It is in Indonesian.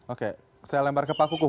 oke saya lempar ke pak kukuh